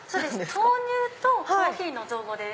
豆乳とコーヒーの造語です。